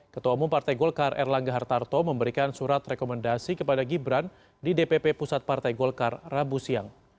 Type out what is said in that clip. ketua umum partai golkar erlangga hartarto memberikan surat rekomendasi kepada gibran di dpp pusat partai golkar rabu siang